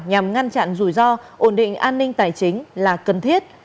nhằm ngăn chặn rủi ro ổn định an ninh tài chính là cần thiết